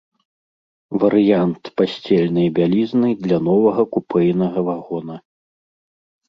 Варыянт пасцельнай бялізны для новага купэйнага вагона.